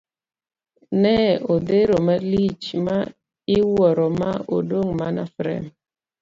Ne odhero malich ma iwuoro ma odong' mana frem.